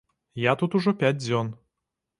Я тут ужо пяць дзён.